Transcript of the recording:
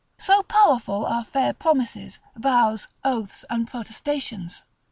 So powerful are fair promises, vows, oaths and protestations.